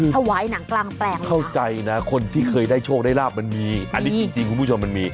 ถวายหนังกลางแปลงเข้าใจนะคนที่เคยได้โชคได้ราบมันมีอันนี้จริงคุณผู้ชมมันมี